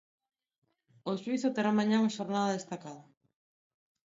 O xuízo terá mañá unha xornada destacada.